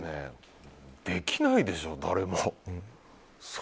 できないでしょ、誰も。